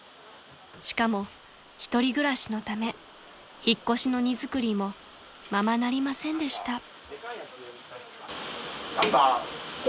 ［しかも一人暮らしのため引っ越しの荷造りもままなりませんでした］